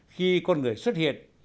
khi con người xuất hiện